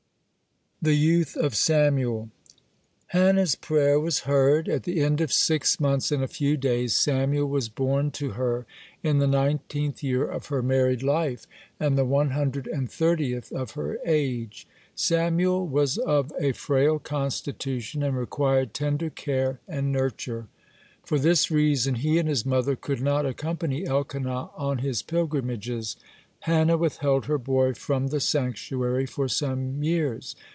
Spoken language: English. (12) THE YOUTH OF SAMUEL Hannah's prayer was heard. At the end of six months and a few days (13) Samuel was born to her, in the nineteenth year of her married life, (14) and the one hundred and thirtieth of her age. (15) Samuel was of a frail constitution, (16) and required tender care and nurture. For this reason he and his mother could not accompany Elkanah on his pilgrimages. Hannah withheld her boy from the sanctuary for some years.